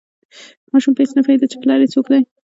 ماشوم په هیڅ نه پوهیده چې پلار یې څوک دی.